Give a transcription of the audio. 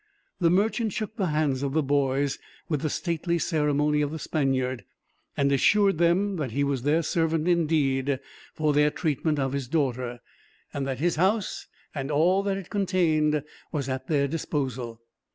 The merchant shook the hands of the boys, with the stately ceremony of the Spaniard, and assured them that he was their servant, indeed, for their treatment of his daughter; and that his house, and all that it contained, was at their disposal.